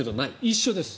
一緒です。